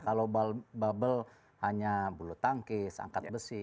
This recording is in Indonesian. kalau bubble hanya bulu tangkis angkat besi